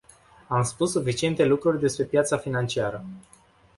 Am spus suficiente lucruri despre piața financiară.